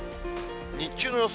日中の予想